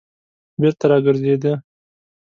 بېرته راگرځېده.